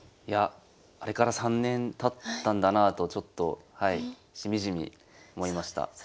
いやあれから３年たったんだなとちょっとしみじみ思いました。